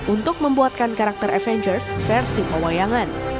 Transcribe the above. untuk membuatkan karakter avengers versi pewayangan